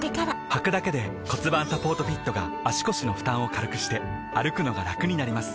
はくだけで骨盤サポートフィットが腰の負担を軽くして歩くのがラクになります